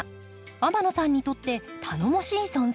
天野さんにとって頼もしい存在です。